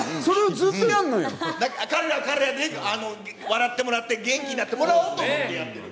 彼らは彼らで笑ってもらって、元気になってもらおうと思ってやってる。